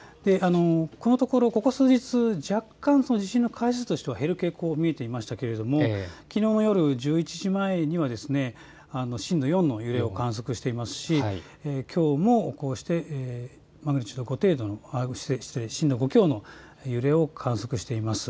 このところここ数日、若干、地震の回数としては減る傾向が見られていましたがきのうの夜１１時前には震度４の揺れを観測していますしきょうもこうしてマグニチュード５程度の震度５強の揺れを観測しています。